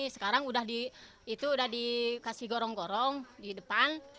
sekarang udah dikasih gorong gorong di depan